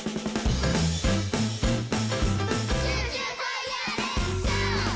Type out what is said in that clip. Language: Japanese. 「ジュージューファイヤーレッツシャオ」